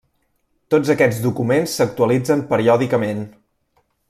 Tots aquests documents s’actualitzen periòdicament.